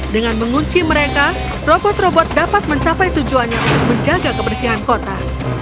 dengan mengunci mereka robot robot dapat mencapai tujuannya untuk menjaga kebersihan kota